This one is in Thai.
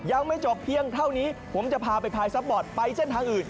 ยังไม่จบเพียงเท่านี้ผมจะพาไปพายซัพบอร์ตไปเส้นทางอื่น